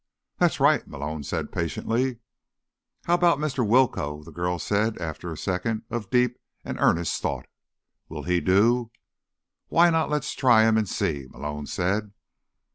"That's right," Malone said patiently. "How about Mr. Willcoe?" the girl said after a second of deep and earnest thought. "Would he do?" "Why not let's try him and see?" Malone said.